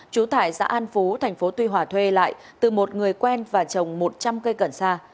trú tại xã an phú thành phố tuy hòa thuê lại từ một người quen và trồng một trăm linh cây cần sa